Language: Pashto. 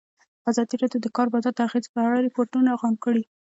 ازادي راډیو د د کار بازار د اغېزو په اړه ریپوټونه راغونډ کړي.